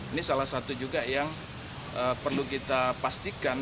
ini salah satu juga yang perlu kita pastikan